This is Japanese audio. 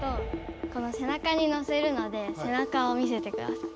この背中にのせるので背中を見せてください。